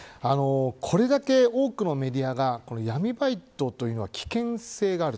これだけ多くのメディアが闇バイトというのは危険性がある。